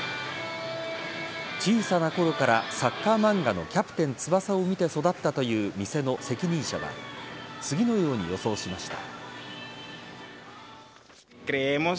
小さなころからサッカー漫画の「キャプテン翼」を見て育ったという店の責任者は次のように予想しました。